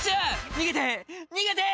逃げて逃げて！